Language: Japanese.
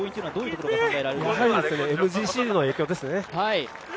これはＭＧＣの影響ですね。